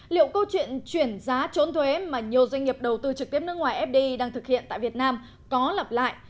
liệu câu chuyện chuyển giá trốn thuế mà nhiều doanh nghiệp đầu tư trực tiếp nước ngoài fdi đang thực hiện tại việt nam có lặp lại